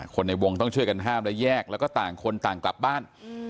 ในวงต้องช่วยกันห้ามและแยกแล้วก็ต่างคนต่างกลับบ้าน